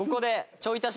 ちょい足し！